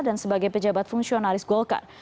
dan sebagai pejabat fungsionalis golkar